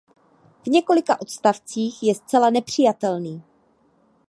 V několika odstavcích je zcela nepřijatelný.